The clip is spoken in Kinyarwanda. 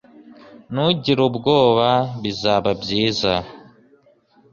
Ntugire ubwoba Bizaba byiza